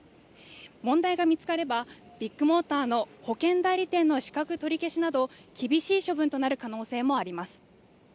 問題が見つかればビッグモーターの保険代理店の資格取り消しなど厳しい処分となる可能性もあります